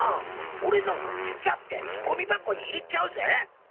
俺なんかぐちゃってゴミ箱に入れちゃうぜ。